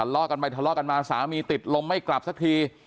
ล้อกันไปทะเลาะกันมาสามีติดลมไม่กลับสักที